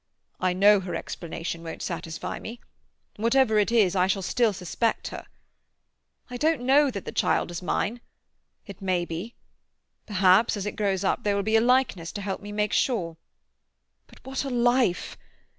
I know her explanation won't satisfy me. Whatever it is I shall still suspect her. I don't know that the child is mine. It may be. Perhaps as it grows up there will be a likeness to help me to make sure. But what a life!